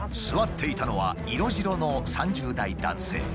座っていたのは色白の３０代男性。